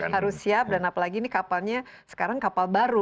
harus siap dan apalagi ini kapalnya sekarang kapal baru